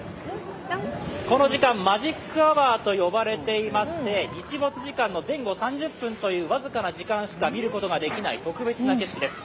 この時間、マジックアワーと呼ばれていまして日没時間の前後３０分という僅かな時間しか見ることができない特別な景色です。